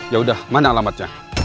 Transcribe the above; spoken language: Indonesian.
yaudah mana alamatnya